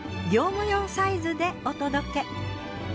業務用サイズでお届け。